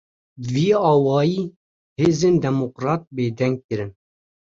Bi vî awayî, hêzên demokrat bêdeng kirin